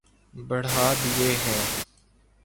بڑھا دیے ہیں